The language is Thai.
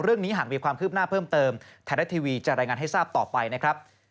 เรื่องนี้หากมีความคืบหน้าเพิ่มเติมไทยรัฐทีวีจะรายงานให้ทราบต่อไปนะครับ